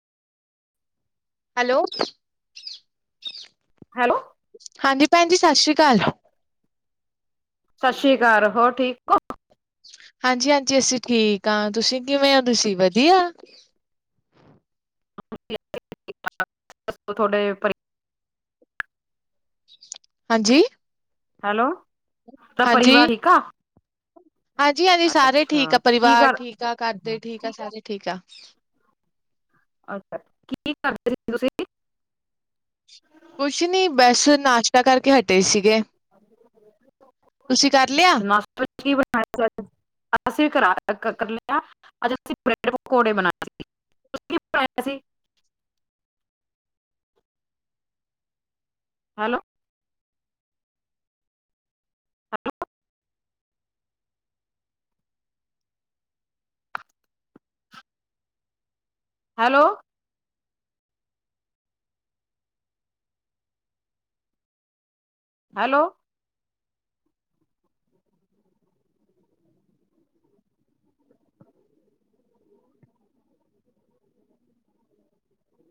Hello. Hello. ਹਾਂਜੀ ਭੈਣ ਜੀ ਸਤਿ ਸ੍ਰੀ ਅਕਾਲ। ਸਤਿ ਸ਼੍ਰੀ ਅਕਾਲ ਹੋਰ ਠੀਕ ਹਾਂਜੀ ਹਾਂਜੀ ਅਸੀਂ ਠੀਕ ਹਾਂ ਤੁਸੀਂ ਕਿਵੇਂ ਹੋਦੇ ਸੀ ਵਧੀਆ? ਠੀਕ ਠਾਕ ਦੱਸੋ ਤੁਹਾਡੇ? ਹਾਂਜੀ। ਹੈਲੋ। ਤਾਂ ਹਾਂਜੀ ਪਰਿਵਾਰ ਠੀਕ ਆ ਹਾਂਜੀ ਹਾਂਜੀ ਸਾਰੇ ਅੱਛਾ ਠੀਕ ਆ ਕੀ ਪਰਿਵਾਰ ਕਰ ਠੀਕ ਆ ਘਰਦੇ ਠੀਕ। ਠੀ ਸਾਰੇ ਠੀਕ ਆ। ਅੱਛਾ ਕੀ ਕਰਦੇ ਸੀ ਤੁਸੀ? ਕੁਛ ਨੀ ਬਸ ਨਾਸ਼ਤਾ ਕਰਕੇ ਹਟੇ ਸੀ। ਕਰ ਲਿਆ? ਨਾਸ਼ਤਾ ਜੀ ਕੀ ਬਣਾਇਆ ਸੀ ਅਸੀਂ ਵੀ ਕਰ ਲਿਆ ਅੱਜ ਅਸੀਂ ਬ੍ਰਡ ਪਕੌੜੇ ਬਣਾਏ ਸੀ। ਵਿਚ ਕੀ ਪਾਇਆ ਸੀ। ਹੈਲੋ। ਹੈਲੋ। ਹੈਲੋ।